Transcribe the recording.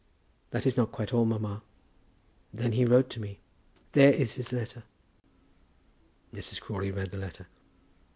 That is not quite all, mamma. Then he wrote to me. There is his letter." Mrs. Crawley read the letter.